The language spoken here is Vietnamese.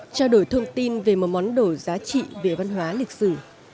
trao đổi thông tin về một món đồ giá trị về văn hóa lịch sử